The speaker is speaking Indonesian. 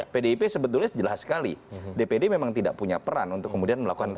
pdip sebetulnya jelas sekali dpd memang tidak punya peran untuk kemudian melakukan